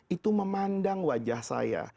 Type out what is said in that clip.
itu memandang wajah saya